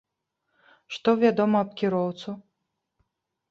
Што вядома аб кіроўцу?